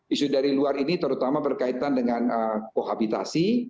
isu dari luar ini terutama berkaitan dengan kohabitasi